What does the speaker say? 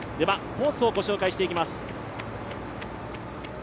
コースをご紹介していきます。